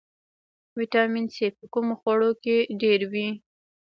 ویټامین سي په کومو خوړو کې ډیر وي